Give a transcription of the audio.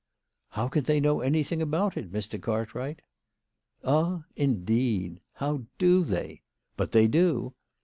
" How can they know anything about it, Mr. Cart wright?" " Ah, indeed. How do they ? But they do.